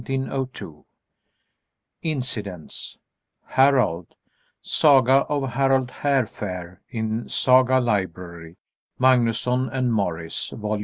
_ INCIDENTS HARALD: Saga of Harald Hairfair, in "Saga Library," Magnusson and Morris, Vol.